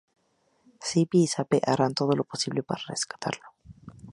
Zipi y Zape harán todo lo posible para rescatarlo.